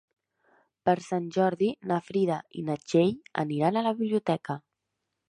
Per Sant Jordi na Frida i na Txell aniran a la biblioteca.